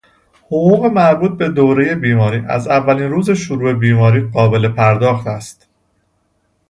حقوق مربوط به دورهی بیماری از اولین روز شروع بیماری قابل پرداخت است.